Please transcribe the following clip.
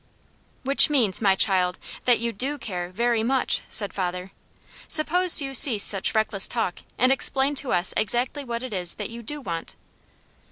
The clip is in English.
"Which means, my child, that you DO care, very much," said father. "Suppose you cease such reckless talk, and explain to us exactly what it is that you do want."